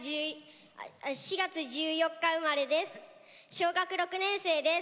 小学６年生です。